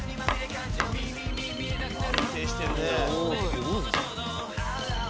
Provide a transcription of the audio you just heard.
安定してるね。